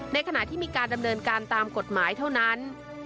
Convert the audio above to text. ในขณะที่มีการดำเนินการตามกฎหมายเท่านั้น